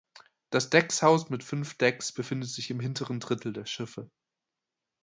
Das Deckshaus mit fünf Decks befindet sich im hinteren Drittel der Schiffe.